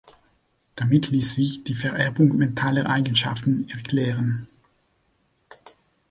Damit ließ sich die Vererbung mentaler Eigenschaften erklären.